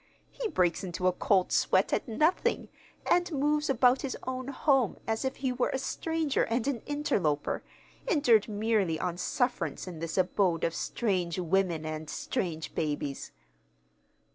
He breaks into a cold sweat at nothing, and moves about his own home as if he were a stranger and an interloper, endured merely on sufferance in this abode of strange women and strange babies."